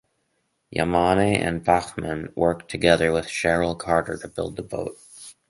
Yamane and Bachman worked together with Cheryl Carter to build the boat.